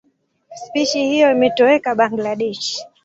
Spishi hiyo imetoweka Bangladesh.